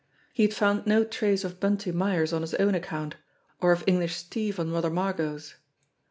He had found no trace of Bunty Myers on his own account, or of English Steve on Mother Margot's.